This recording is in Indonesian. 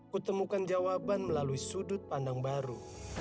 kutemukan jawaban melalui sudut pandang baru